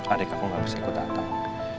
adik aku gak bisa ikut datang